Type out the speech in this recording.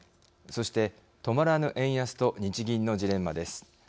そして止まらぬ円安と日銀のジレンマです。